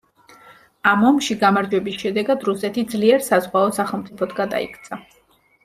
ამ ომში გამარჯვების შედეგად რუსეთი ძლიერ საზღვაო სახელმწიფოდ გადაიქცა.